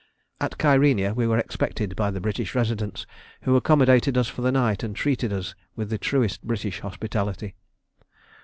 At Kyrenia we were expected by the British residents, who accommodated us for the night and treated us with the truest British hospitality.